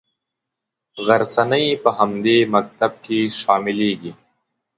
غرڅنۍ په همدې مکتب کې شاملیږي.